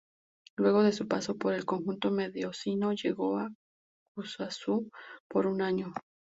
Luego de su paso por el conjunto mendocino llegó a Acassuso por un año.